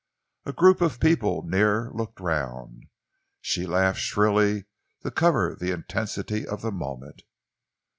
A group of people near looked around. She laughed shrilly to cover the intensity of the moment.